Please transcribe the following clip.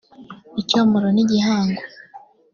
icyomoro n’igihango